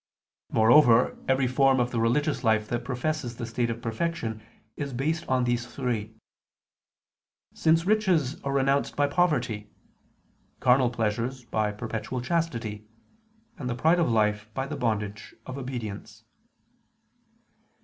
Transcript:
Moreover, every form of the religious life that professes the state of perfection is based on these three: since riches are renounced by poverty; carnal pleasures by perpetual chastity; and the pride of life by the bondage of obedience.